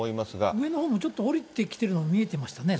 上のほうもちょっと下りてきているのが見えましたね。